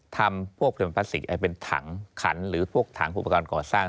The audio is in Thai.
ทำพวกเม็ดปลาสิกเป็นถังขันหรือพวกถังผู้ประกอบก่อสร้าง